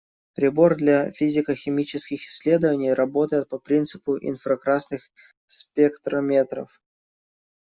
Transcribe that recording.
Прибор для физико‑химических исследований работает по принципу инфракрасных спектрометров.